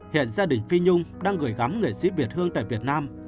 hiện gia đình phi nhung đang gửi gắm nghệ sĩ việt hương tại việt nam